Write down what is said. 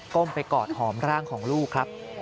้มไปกอดหอมร่างของลูกครับ